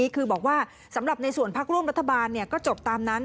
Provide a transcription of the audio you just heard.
คือบอกว่าสำหรับในส่วนพักร่วมรัฐบาลก็จบตามนั้น